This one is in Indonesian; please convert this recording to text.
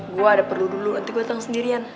gue ada perlu dulu nanti gue tau sendirian